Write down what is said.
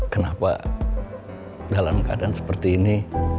kenapa dalam keadaan seperti ini